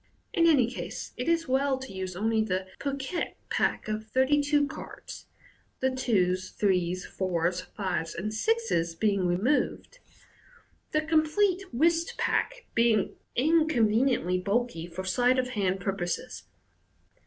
In any case, it is well to use only the piquet pack of thirty two cards (the twos, threes, fours, fives, and sixes being removed), the complete whist pack being inconveniently bulky for sleight of hand purposes.